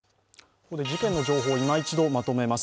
ここで事件の情報をいま一度まとめます。